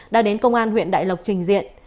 đã đến công an huyện đại lộc trình diện